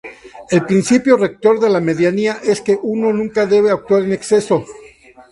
El principio rector de la medianía es que uno nunca debe actuar en exceso.